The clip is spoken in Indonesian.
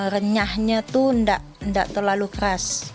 renyahnya itu tidak terlalu keras